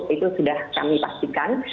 itu sudah kami pastikan